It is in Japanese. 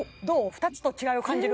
２つと違いを感じる？